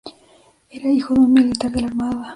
Era hijo de un militar de la Armada.